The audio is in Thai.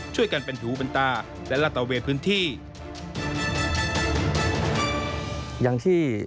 ช่วยกันเป็นถูกบันตาและละต่อเวทย์พื้นที่